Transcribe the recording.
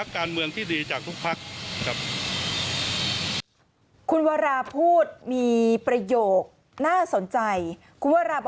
คุณวราบอกว่า